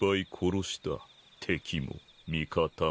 敵も味方も。